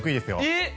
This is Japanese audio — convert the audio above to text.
えっ！